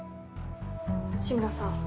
志村さん